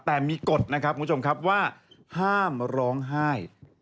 แต่มีกฎนะครับคุณผู้ชมครับว่าห้ามร้องไห้